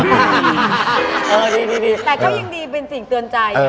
แต่ก็ยังดีเป็นสิ่งเตือนใจ